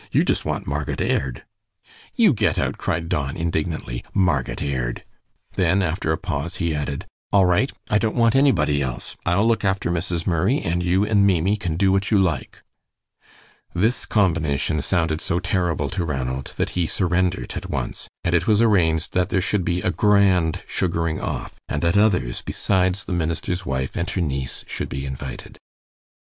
"You just want Marget Aird." "You get out!" cried Don, indignantly; "Marget Aird!" Then, after a pause, he added, "All right, I don't want anybody else. I'll look after Mrs. Murray, and you and Maimie can do what you like." This combination sounded so terrible to Ranald that he surrendered at once; and it was arranged that there should be a grand sugaring off, and that others besides the minister's wife and her niece should be invited.